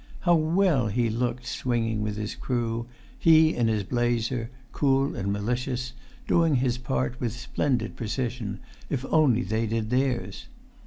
How well he looked, swinging with his crew, he in his blazer, cool and malicious, doing his part with splendid precision if only they did theirs!